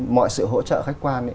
mọi sự hỗ trợ khách quan